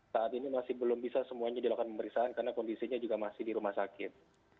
saat ini masih belum bisa semuanya dilakukan pemeriksaan karena kondisinya juga masih di rumah sakit